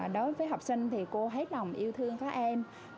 đối với học sinh thì cô hết lòng yêu thương các em